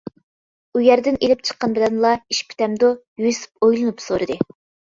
-ئۇيەردىن ئېلىپ چىققان بىلەنلا ئىش پۈتەمدۇ؟ -يۈسۈپ ئويلىنىپ سورىدى.